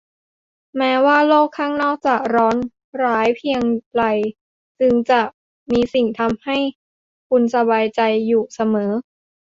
แม้ว่าโลกข้างนอกจะร้อนร้ายเพียงไรจึงจะมีสิ่งที่ทำให้คุณสบายใจอยู่เสมอ